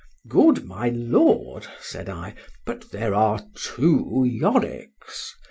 Good, my Lord said I; but there are two Yoricks.